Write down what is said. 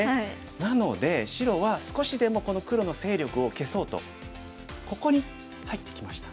なので白は少しでもこの黒の勢力を消そうとここに入ってきました。